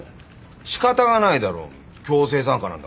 仕方がないだろ強制参加なんだからさ。